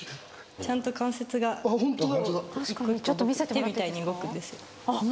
ちゃんと関節が手みたいに動くんです。